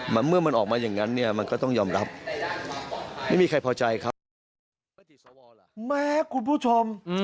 แม้คุณผู้ชม